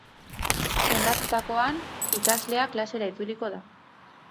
Sendatutakoan, ikaslea klasera itzuliko da.